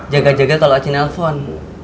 jaga jaga kalau aku nelfon